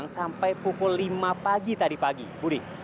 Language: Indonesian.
sampai pukul lima pagi tadi pagi budi